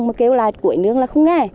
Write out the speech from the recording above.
mà kêu lại cuội nướng là không nghe